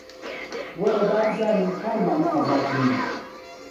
وەرە با بزانین کاممان ئازاترین